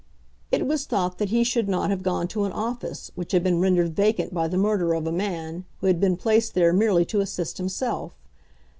It was thought that he should not have gone to an office which had been rendered vacant by the murder of a man who had been placed there merely to assist himself.